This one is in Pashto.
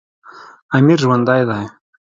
امیر ژوندی دی.